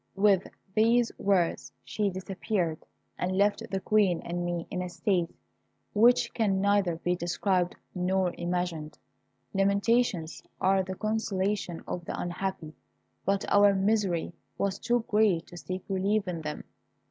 With these words she disappeared, and left the Queen and me in a state which can neither be described nor imagined. Lamentations are the consolation of the unhappy; but our misery was too great to seek relief in them.